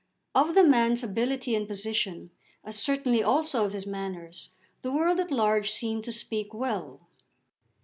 Of the man's ability and position, as certainly also of his manners, the world at large seemed to speak well.